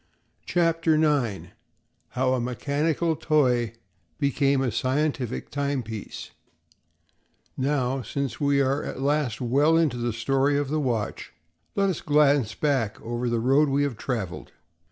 CHAPTER NINE How a Mechanical Toy Became a Scientific Timepiece Now, since we are at last well into the story of the watch, let us glance back over the road we have traveled.